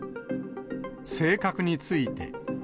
性格について。